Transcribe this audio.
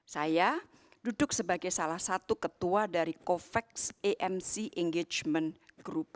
saya duduk sebagai salah satu ketua dari covax amc engagement group